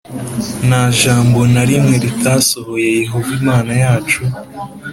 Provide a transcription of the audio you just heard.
nta jambo na rimwe ritasohoye Yehova Imana yacu